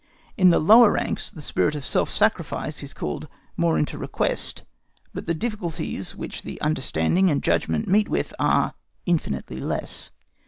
In the lower ranks the spirit of self sacrifice is called more into request, but the difficulties which the understanding and judgment meet with are infinitely less.